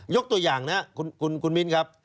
ยกตัวอย่างนะครับคุณมิ้นครับ